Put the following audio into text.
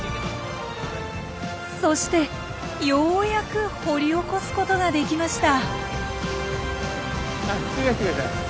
そしてようやく掘り起こすことができました。